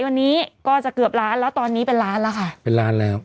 แล้วก็เมื่อเกือบร้านแล้วตอนนี้เกือบร้านแล้วค่ะเป็นร้านแล้วค่ะ